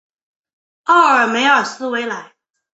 奥尔梅尔斯维莱。